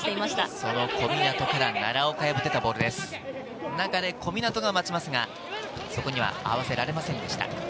その小湊から奈良岡へのボール、中で小湊が待ちますが、そこには合わせられませんでした。